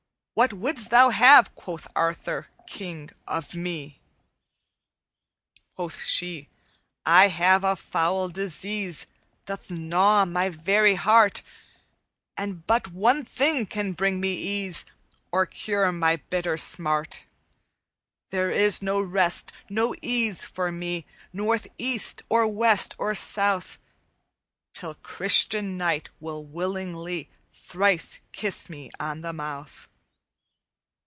'What wouldst thou have.' Quoth Arthur, King, 'of me_?' "_Quoth she, 'I have a foul disease Doth gnaw my very heart, And but one thing can bring me ease Or cure my bitter smart. "'There is no rest, no ease for me North, east, or west, or south, Till Christian knight will willingly Thrice kiss me on the mouth.